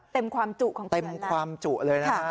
เต็มความจุของเขือนล่ะเต็มความจุเลยนะครับ